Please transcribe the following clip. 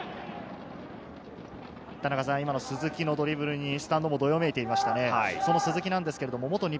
鈴木のドリブルにスタンドもどよめいていました。